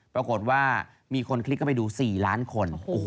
ปรากฏว่ามีคนคลิกเข้าไปดู๔ล้านคน